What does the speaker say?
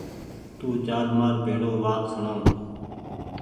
تو چآل مآر ڀيڙي وآت سوڻآئو